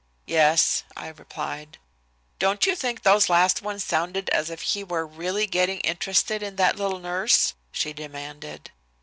"Yes," I replied. "Don't you think those last ones sounded as if he were really getting interested in that little nurse?" she demanded.